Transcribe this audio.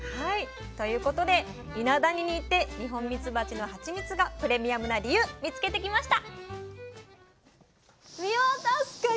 ということで伊那谷に行ってニホンミツバチのハチミツがプレミアムな理由見つけてきました。